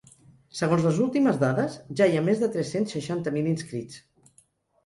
Segons les últimes dades, ja hi ha més de tres-cents seixanta mil inscrits.